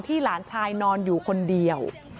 หลานชายนอนอยู่คนเดียว